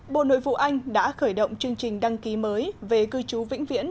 bộ nội vụ anh đã khởi động chương trình đăng ký mới về cư trú vĩnh viễn